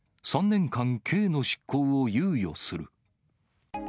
３年間刑の執行を猶予する。